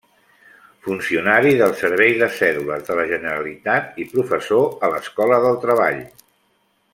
Funcionari del servei de Cèdules de la Generalitat i professor a l’Escola del Treball.